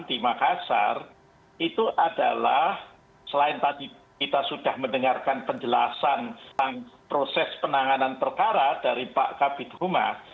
di makassar itu adalah selain tadi kita sudah mendengarkan penjelasan proses penanganan perkara dari pak kabit humas